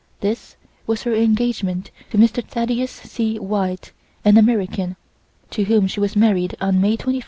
This was her engagement to Mr. Thaddeus C. White, an American, to whom she was married on May 21, 1907.